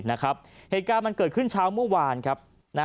เหตุการณ์มันเกิดขึ้นเช้าเมื่อวานครับ